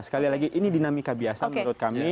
sekali lagi ini dinamika biasa menurut kami